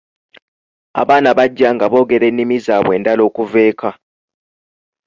Abaana bajja nga boogera ennimi zaabwe endala okuva eka.